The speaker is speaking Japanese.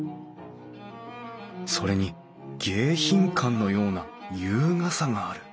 それに迎賓館のような優雅さがある